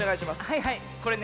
はいはいこれねえ